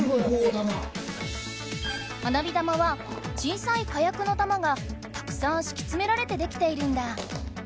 花火玉は小さい火薬の玉がたくさん敷き詰められて出来ているんだ。